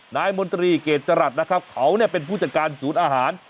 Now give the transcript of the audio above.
มนตรีเกรดจรัสนะครับเขาเป็นผู้จัดการศูนย์อาหาร